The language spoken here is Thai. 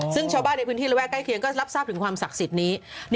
ซึ่งชาวบ้านในพื้นที่ระแวกใกล้เคียงก็รับทราบถึงความศักดิ์สิทธิ์นี้